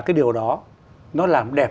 cái điều đó nó làm đẹp